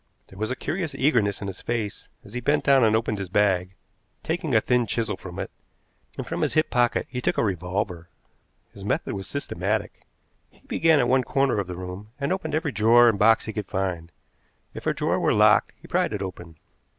There was a curious eagerness in his face as he bent down and opened his bag, taking a thin chisel from it, and from his hip pocket he took a revolver. His method was systematic. He began at one corner of the room, and opened every drawer and box he could find. If a drawer were locked, he pried it open.